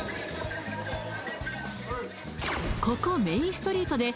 メインストリート